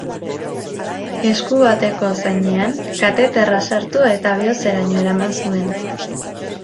Esku bateko zainean kateterra sartu eta bihotzeraino eraman zuen.